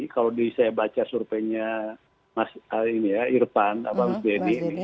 kalau saya baca surveinya mas irfan abang beni